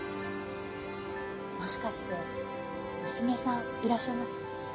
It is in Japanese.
もしかして娘さんいらっしゃいます？